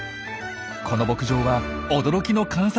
この牧場は驚きの観察